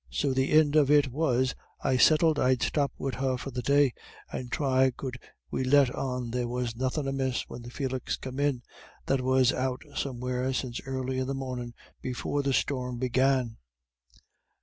So the ind of it was I settled I'd stop wid her for that day, and thry could we let on there was nothin' amiss when Felix come in, that was out somewhere since early in the mornin' before the storm began.